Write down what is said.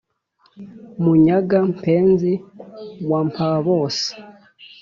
munyaga-mpenzi wa mpa-bose